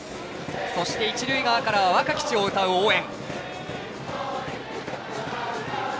そして一塁側からは「若き血」を歌う応援。